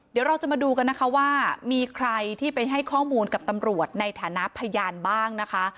เดี๋ยวเราจะมาดูกันนะคะว่ามีใครที่ไปให้ข้อมูลกับตำรวจในฐานะพยานบ้างนะคะ